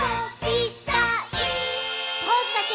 「ポーズだけ！」